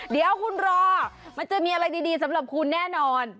เดี๋ยวคุณรอมันจะมีอะไรดีสำหรับคุณแน่นอน